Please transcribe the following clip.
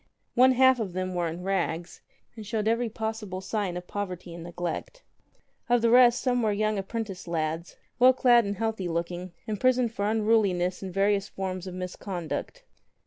One half of them were in rags and showed every possible sign of poverty and neglect. Of the rest, some were young apprentice lads, well clad and healthy looking, imprisoned for unruliness and various forms of misconduct.